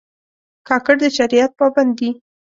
کاکړ د شریعت پابند دي.